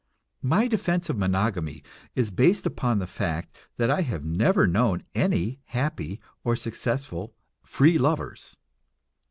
My defense of monogamy is based upon the fact that I have never known any happy or successful "free lovers."